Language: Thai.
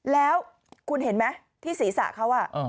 แล้วคุณเห็นไหมที่ศีรษะเขา